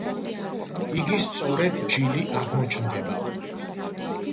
იგი სწორედ ჯილი აღმოჩნდება.